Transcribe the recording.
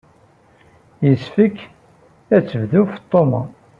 Yessefk ad tebdu Feṭṭuma.